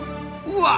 うわ！